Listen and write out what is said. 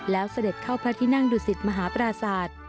แล้วเสด็จเข้าพระที่นั่งดุสิตมหาปราศาสตร์